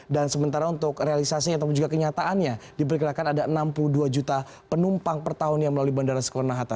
dan sementara untuk realisasinya ataupun juga kenyataannya diperkirakan ada enam puluh dua juta penumpang per tahun yang melalui bandara soekarno hatta